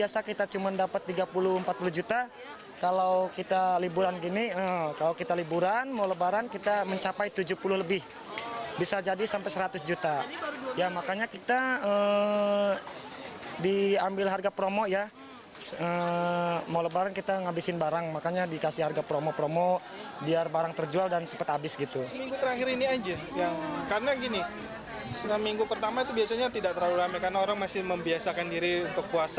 sehingga mereka bisa mencari jenis pakaian yang lebih menarik